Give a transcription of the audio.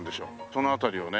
その辺りをね